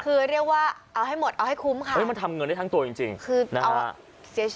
คือเรียกว่าเอาให้หมดเอาให้คุ้มค่ะมันทำเงินได้ทั้งตัวจริงนะฮะ